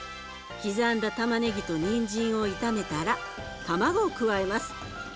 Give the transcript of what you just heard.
刻んだたまねぎとにんじんを炒めたら卵を加えます。